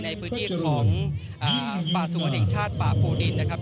ในพื้นที่ของป่าสวนแห่งชาติป่าภูดินนะครับ